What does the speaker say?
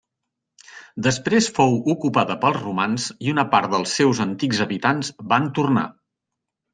Després fou ocupada pels romans i una part dels seus antics habitants van tornar.